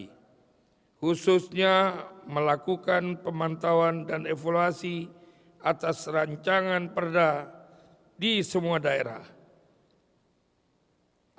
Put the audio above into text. kami juga dpd ri juga meminta dpr dan dpr untuk melakukan pengawasan dan evaluasi atas perubahan kedua atas undang undang md tiga